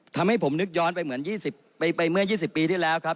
ทำให้ผมนึกย้อนไปเหมือนไปเมื่อ๒๐ปีที่แล้วครับ